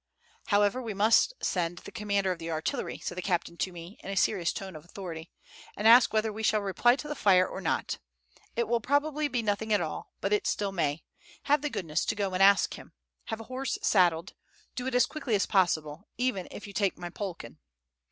"However, we must send to the commander of the artillery," said the captain to me, in a serious tone of authority, "and ask whether we shall reply to the fire or not. It will probably be nothing at all, but still it may. Have the goodness to go and ask him. Have a horse saddled. Do it as quickly as possible, even if you take my Polkan."